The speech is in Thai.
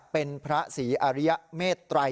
เป็นพระศรีอริยเมตรัย